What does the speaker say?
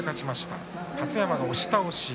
羽出山が押し倒し。